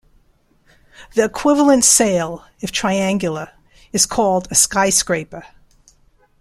The equivalent sail, if triangular, is called a skyscraper.